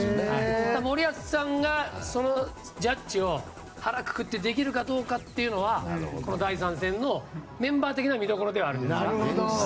森保さんが、そのジャッジを腹くくってできるかどうかがこの第３戦のメンバー的な見どころではあると思います。